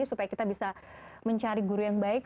supaya kita bisa mencari guru yang baik